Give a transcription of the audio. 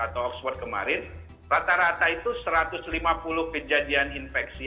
atau oxford kemarin rata rata itu satu ratus lima puluh kejadian infeksi